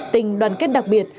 tình đoàn kết đặc biệt